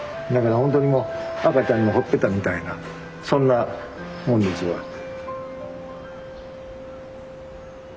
だからほんとにもう赤ちゃんのほっぺたみたいなそんなもんですわ。